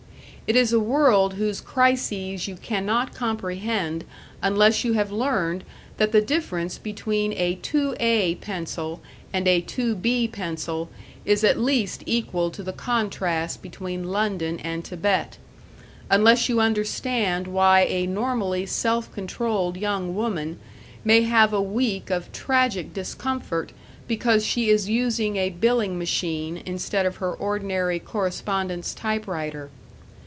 It is a world whose crises you cannot comprehend unless you have learned that the difference between a 2 A pencil and a 2 B pencil is at least equal to the contrast between London and Tibet; unless you understand why a normally self controlled young woman may have a week of tragic discomfort because she is using a billing machine instead of her ordinary correspondence typewriter.